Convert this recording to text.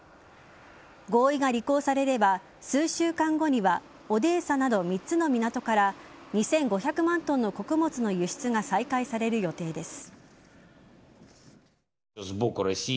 合意が履行されれば数週間後にはオデーサなど３つの港から２５００万ｔの穀物の輸出が再開される予定です。